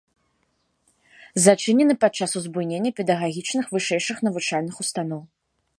Зачынены падчас узбуйнення педагагічных вышэйшых навучальных устаноў.